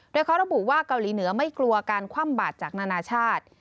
โดยเขาระบุว่าเกาหลีเหนือไม่กลัวการคว่ำบาดจากนานาชาติ